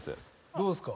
どうですか？